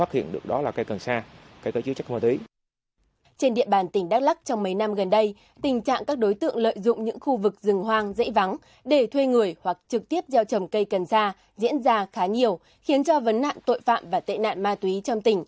trên địa bàn tỉnh đắk lắc trong mấy năm gần đây tình trạng các đối tượng lợi dụng những khu vực rừng hoang dãy vắng để thuê người hoặc trực tiếp gieo trầm cây cần xa diễn ra trong vùng sâu vùng xa